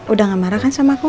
udah gak marah kan sama aku